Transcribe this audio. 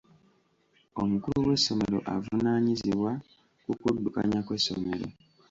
Omukulu w'essomero avunaanyizibwa ku kuddukanya kw'essomero.